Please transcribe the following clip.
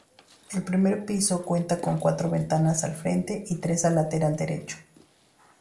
El primer piso cuenta con cuatro ventanas al frente y tres al lateral derecho.